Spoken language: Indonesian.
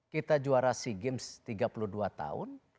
kita juara sea games tiga puluh dua tahun